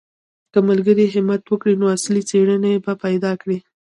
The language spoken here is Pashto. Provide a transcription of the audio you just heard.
که ملګري همت وکړي نو اصلي څېړنې به پیدا کړي.